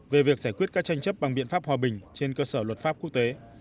về việc giải quyết các tranh chấp bằng biện pháp hòa bình trên cơ sở luật pháp quốc tế